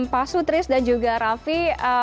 pak sutris dan juga raffi